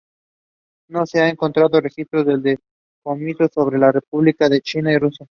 No se han encontrado registros de decomiso sobre la República de China y Rusia.